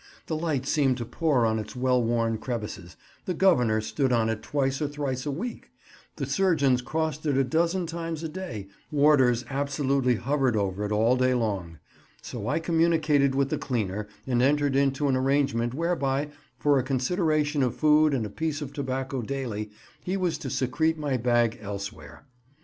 The light seemed to pour on its well worn crevices, the Governor stood on it twice or thrice a week, the surgeons crossed it a dozen times a day, warders absolutely hovered over it all day long; so I communicated with the cleaner, and entered into an arrangement whereby, for a consideration of food and a piece of tobacco daily, he was to secrete my bag elsewhere.